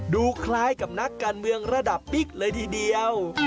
ดูคล้ายกับนักการเมืองระดับบิ๊กเลยทีเดียว